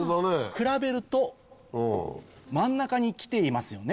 比べると真ん中に来ていますよね